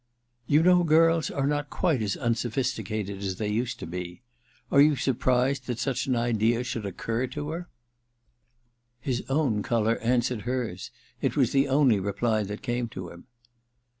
*You know girls are not quite as unso phisticated as they used to be. Are you surprised that such an idea should occur to her }' His own colour answered hers : it was the only reply that came to him.